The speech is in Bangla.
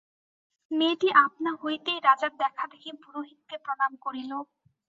মেয়েটি আপনা হইতেই রাজার দেখাদেখি পুরোহিতকে প্রণাম করিল।